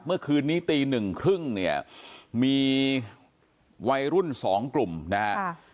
เมื่อคืนนี้ตีนึงครึ่งมีวัยรุ่นสองกลุ่มนะครับ